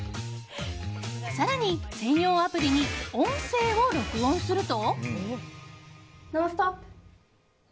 更に、専用アプリに音声を録音すると。